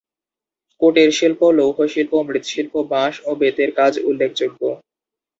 কুটিরশিল্প লৌহশিল্প, মৃৎশিল্প, বাশঁ ও বেতের কাজ উল্লেখযোগ্য।